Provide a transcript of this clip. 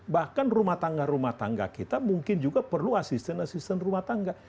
bahkan rumah tangga rumah tangga kita mungkin juga perlu asisten asisten rumah tangga